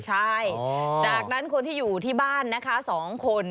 ใช่จากนั้นคนที่อยู่ที่บ้านนะคะ๒คน